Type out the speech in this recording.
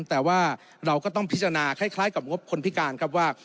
แต่ว่าเราก็ต้องพิจารณาคล้ายกับงบคนพิการครับว่า